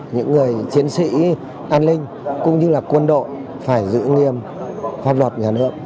những người chiến sĩ an ninh cũng như là quân đội phải giữ nghiêm pháp luật nhà nước